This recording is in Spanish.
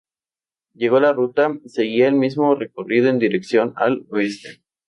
Luego la ruta seguía el mismo recorrido en dirección al oeste.